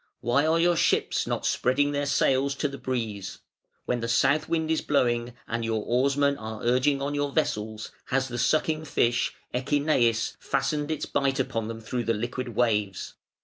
"Why are your ships not spreading their sails to the breeze? When the South wind is blowing and your oarsmen are urging on your vessels, has the sucking fish (Echeneis) fastened its bite upon them through the liquid waves?